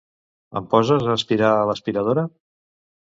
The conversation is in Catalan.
Em poses a aspirar l'aspiradora?